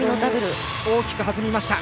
後ろに大きく弾みました。